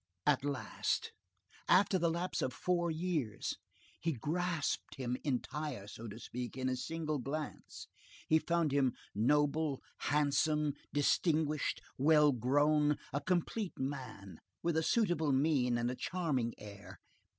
At last! After the lapse of four years! He grasped him entire, so to speak, in a single glance. He found him noble, handsome, distinguished, well grown, a complete man, with a suitable mien and a charming air.